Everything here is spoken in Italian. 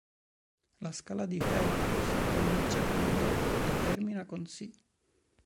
La scala di Helmholtz comincia con Do e termina con Si.